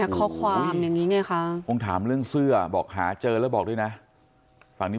ข้อความมีอังกฤษค่ะพูดถามเรื่องเสื้อบอกหาเจอแล้วบอกด้วยนะ